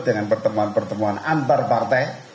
dengan pertemuan pertemuan antar partai